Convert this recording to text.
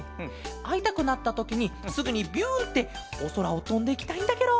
あいたくなったときにすぐにビュンっておそらをとんでいきたいんだケロ。